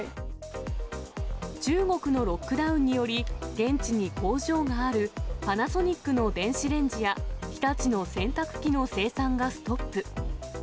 中国のロックダウンにより、現地に工場があるパナソニックの電子レンジや、日立の洗濯機の生産がストップ。